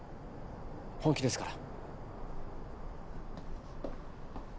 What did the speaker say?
本気ですから。